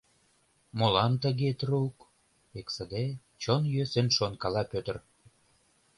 Молан тыге трук?» — эксыде, чон йӧсын шонкала Пӧтыр.